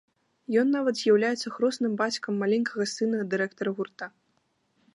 Ён нават з'яўляецца хросным бацькам маленькага сына дырэктара гурта.